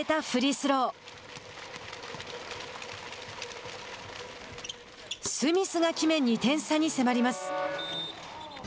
スミスが決め、２点差に迫ります。